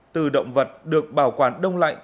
từ động vật được bảo quản đông lạnh